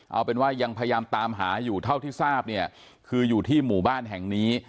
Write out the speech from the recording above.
เอาเป็นว่ายังพยายามตามหาอยู่เท่าที่ทราบเนี่ยคืออยู่ที่หมู่บ้านแห่งนี้